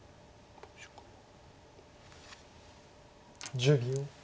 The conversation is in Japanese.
１０秒。